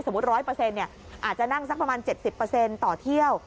๑๐๐อาจจะนั่งสักประมาณ๗๐ต่อเที่ยว